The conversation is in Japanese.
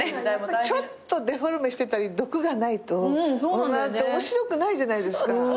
ちょっとデフォルメしてたり毒がないと面白くないじゃないですか。